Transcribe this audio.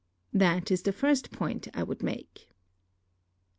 That is the first point I would make.